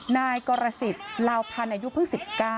นายกรสิทธิ์ลาวพันธ์อายุเพิ่ง๑๙